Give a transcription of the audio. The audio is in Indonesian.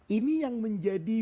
ini yang menjadi